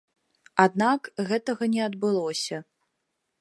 Аднак, гэтага не адбылося.